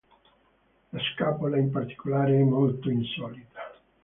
La scapola, in particolare, è molto insolita.